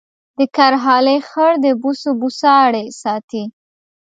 د کرهالې خړ د بوسو بوساړې ساتي